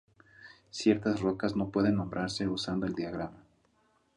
Ciertas rocas no pueden nombrarse usando el diagrama.